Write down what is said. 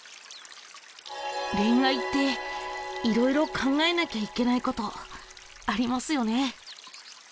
恋愛っていろいろ考えなきゃいけないことありますよね。